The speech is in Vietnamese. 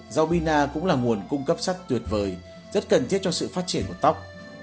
rau bina cũng là nguồn cung cấp sắc tuyệt vời rất cần thiết cho sự phát triển của tóc